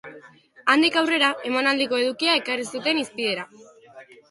Handik aurrera, emanaldiko edukia ekarri zuten hizpidera.